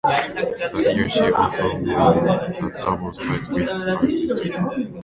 That year she also won the doubles title with her sister.